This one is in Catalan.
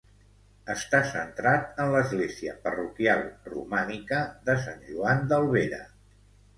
Està centrat en l'església parroquial, romànica, de Sant Joan d'Albera.